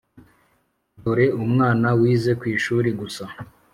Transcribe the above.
dore umwana wize kwishuri gusa